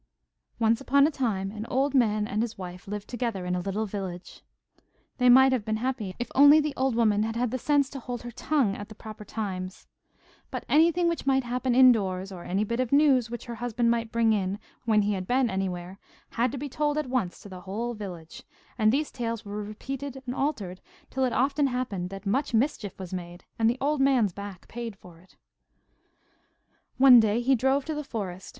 Once upon a time an old man and his wife lived together in a little village. They might have been happy if only the old woman had had the sense to hold her tongue at proper times. But anything which might happen indoors, or any bit of news which her husband might bring in when he had been anywhere, had to be told at once to the whole village, and these tales were repeated and altered till it often happened that much mischief was made, and the old man's back paid for it. One day, he drove to the forest.